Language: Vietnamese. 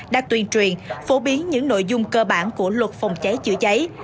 đã tuyên truyền phổ biến những nội dung cơ bản của luật phòng cháy chữa cháy